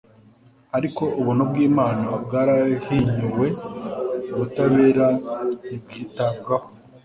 Ariko ubuntu bw'Imana bwarahinyuwe, ubutabera ntibwitabwaho,